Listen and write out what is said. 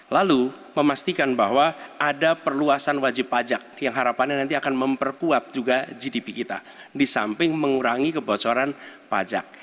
lalu memastikan bahwa ada perluasan wajib pajak yang harapannya nanti akan memperkuat juga gdp kita di samping mengurangi kebocoran pajak